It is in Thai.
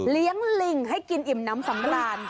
เลี้ยงลิงให้กินอิ่มน้ำสำราญ